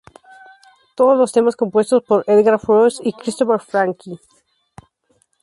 Todos los temas compuestos por Edgar Froese y Christopher Franke